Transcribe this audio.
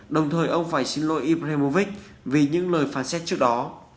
đồng thời ông phải xin lỗi ibrahimovic vì những lời phán xét trước đó